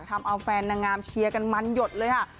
ทำเอาแฟนนางงามเชียร์กันมันหยดเลยค่ะ